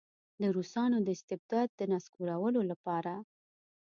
د روسانو د استبداد د نسکورولو لپاره.